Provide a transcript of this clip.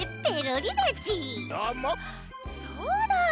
そうだ！